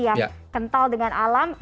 yang kental dengan alam